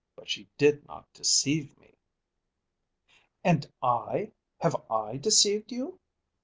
But she did not deceive me." "And I, have I deceived you?"